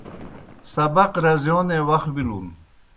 سبق رزِیونے وخ بِلُن۔